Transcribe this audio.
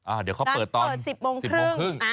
อ้าวเดี๋ยวเขาเปิดตอน๑๐โมงครึ่ง